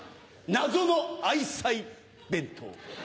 謎の愛妻弁当。